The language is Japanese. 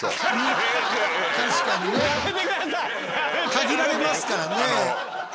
限られますからね。